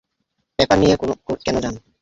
Paper নিয়ে কেনো যান!